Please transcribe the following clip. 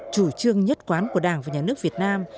chủ trương nhất quán của đảng và nhà nước việt nam